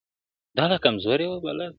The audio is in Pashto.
زما او ستا تر منځ یو نوم د شراکت دئ-